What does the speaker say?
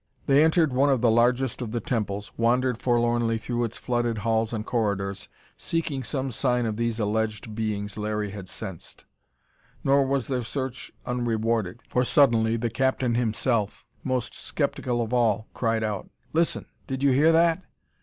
They entered one of the largest of the temples, wandered forlornly through its flooded halls and corridors, seeking some sign of these alleged beings Larry had sensed. Nor was their search unrewarded, for suddenly the captain himself, most skeptical of all, cried out: "Listen! Did you hear that?"